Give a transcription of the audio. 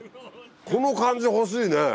この感じ欲しいね。